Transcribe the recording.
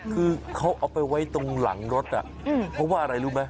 คือเขาเอาไปไว้ตรงหลังรถเพราะว่าอะไรรู้ไหม